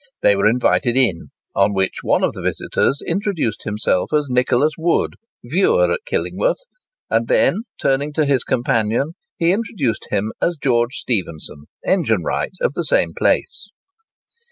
They were invited in, on which one of the visitors introduced himself as Nicholas Wood, viewer at Killingworth, and then turning to his companion, he introduced him as George Stephenson, engine wright, of the same place.